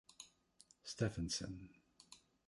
Stephenson.